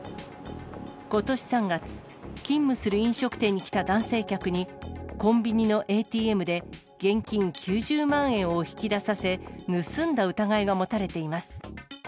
ことし３月、勤務する飲食店に来た男性客に、コンビニのＡＴＭで現金９０万円を引き出させ、盗んだ疑いが持たれています。